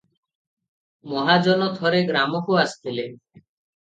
ମହାଜନ ଥରେ ଗ୍ରାମକୁ ଆସିଥିଲେ ।